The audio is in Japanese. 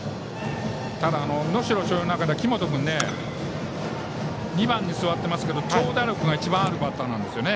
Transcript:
ただ、能代松陽の中では紀本君２番に座ってますけど長打力が一番あるバッターなんですよね。